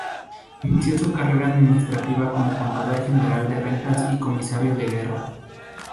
Inició su carrera administrativa como contador general de Rentas y comisario de Guerra.